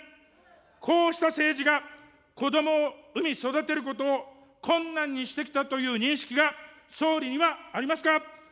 こうした政治が、子どもを産み育てることを困難にしてきたという認識が、総理にはありますか。